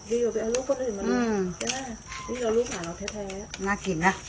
นี่เราลูกหมาเราแท้แท้น่ากินนะ